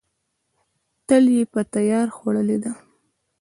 تل یې په تیار خوړلې ده.